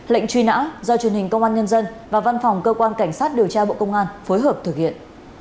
lệnh truy nã do truyền hình công an nhân dân và văn phòng cơ quan cảnh sát điều tra bộ công an phối hợp thực hiện